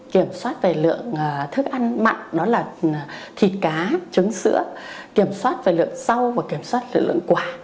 kiểm soát về lượng thức ăn mặn đó là thịt cá trứng sữa kiểm soát về lượng rau và kiểm soát về lượng quả